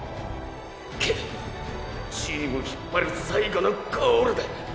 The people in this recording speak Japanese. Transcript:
けどチーム引っ張る最後のゴールだ。